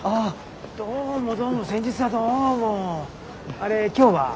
あれ今日は？